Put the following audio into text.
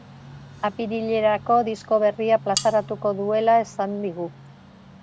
Apirilerako disko berria plazaratuko duela esan digu.